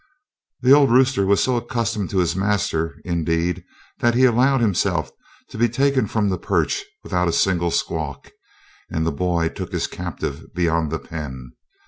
The old rooster was so accustomed to his master, indeed, that he allowed himself to be taken from the perch without a single squawk, and the boy took his captive beyond the pen.